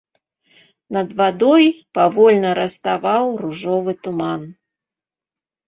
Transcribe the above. Над вадой павольна раставаў ружовы туман.